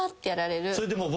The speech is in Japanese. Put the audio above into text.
それでもう。